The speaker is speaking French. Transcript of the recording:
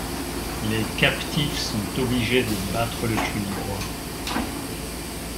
Les captifs sont obligés de battre le cuivre.